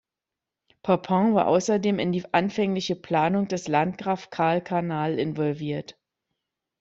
Papin war außerdem in die anfängliche Planung des Landgraf-Carl-Kanal involviert.